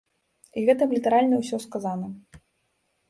І гэтым літаральна ўсё сказана.